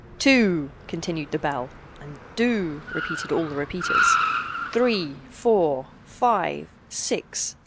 "Two!" continued the big bell; and "Doo!" repeated all the repeaters. "Three! Four! Five! Six!